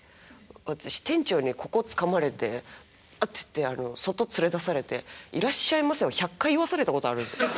私店長にここつかまれてあっつって外連れ出されて「いらっしゃいませ」を１００回言わされたことがあるんですよ。